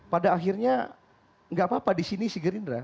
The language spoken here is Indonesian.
pada akhirnya gak apa apa disini si gerindra